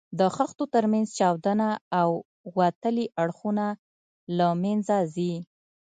د خښتو تر منځ چاودونه او وتلي اړخونه له منځه ځي.